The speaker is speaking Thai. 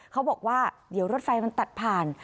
เขาบอกว่าเดี๋ยวรถไฟมันตัดผ่าน